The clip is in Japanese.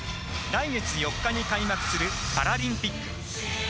来月４日に開幕するパラリンピック。